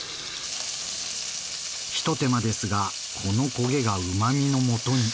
一手間ですがこの焦げがうまみのもとに。